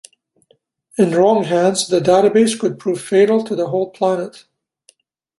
In wrong hands, the database could prove fatal to the whole planet.